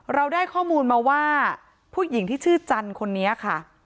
เราได้ข้อมูลมาว่าผู้หญิงที่ชื่อจันทร์คนนี้ค่ะ